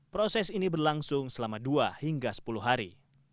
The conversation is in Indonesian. proses ini berlangsung selama dua hingga sepuluh hari